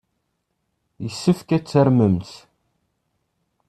Yessefk ad tarmemt!